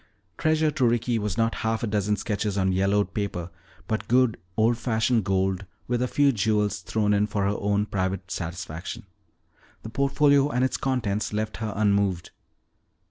Treasure to Ricky was not half a dozen sketches on yellowed paper but good old fashioned gold with a few jewels thrown in for her own private satisfaction. The portfolio and its contents left her unmoved.